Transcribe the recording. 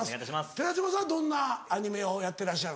寺島さんはどんなアニメをやってらっしゃる？